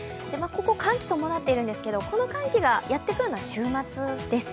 ここは寒気が伴っているんですけど、この寒気がやってくるのは週末です。